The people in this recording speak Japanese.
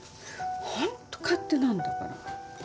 ホント勝手なんだから。